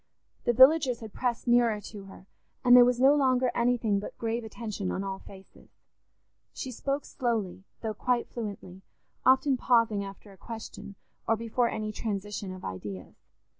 The villagers had pressed nearer to her, and there was no longer anything but grave attention on all faces. She spoke slowly, though quite fluently, often pausing after a question, or before any transition of ideas.